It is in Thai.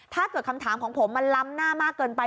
ถ้าเกิดคำถามของผมมันล้ำหน้ามากเกินไป